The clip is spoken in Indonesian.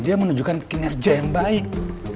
dia menunjukkan kinerja yang baik